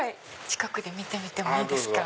近くで見てもいいですか？